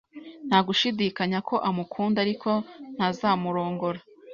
Nta gushidikanya ko amukunda, ariko ntazamurongora.